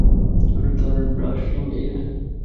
তার brush ring এইখানে।